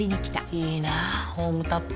いいなホームタップ。